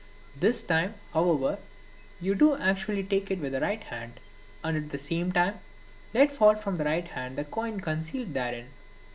This time, however, you do actually take it with the right hand, and at the same time let fall from the right hand the coin concealed therein.